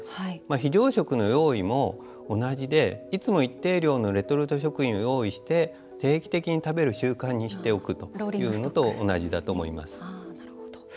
非常食の用意も同じで、いつも一定量のレトルト食品を用意して、定期的に食べる習慣にしておくのと同じだと思います。